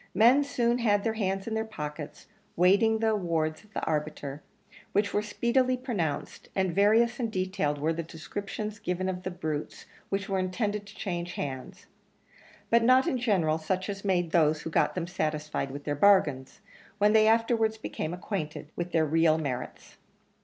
Men soon had their hands in their pockets, waiting the awards of the arbiter, which were speedily pronounced; and various and detailed were the descriptions given of the brutes which were intended to change hands; but not in general such as made those who got them satisfied with their bargains, when they afterwards became acquainted with their real merits.